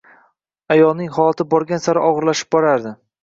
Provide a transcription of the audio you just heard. Ayolning holati borgan sari og`irlashib borardi